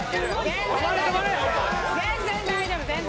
全然大丈夫全然大丈夫。